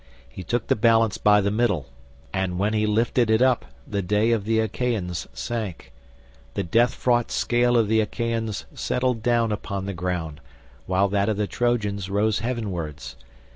He took the balance by the middle, and when he lifted it up the day of the Achaeans sank; the death fraught scale of the Achaeans settled down upon the ground, while that of the Trojans rose heavenwards.